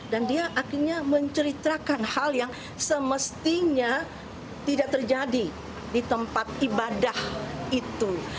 dan dia akhirnya menceritakan hal yang semestinya tidak terjadi di tempat ibadah itu